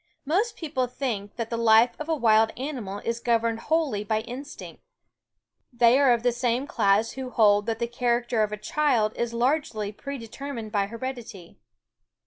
Most people think that the life of a wild animal is governed wholly by instinct. They are of the same class who hold that the character of a child is largely predetermined by heredity.